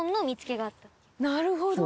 なるほど！